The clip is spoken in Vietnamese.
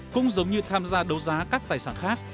cũng giống như tham gia đấu giá các tài sản khác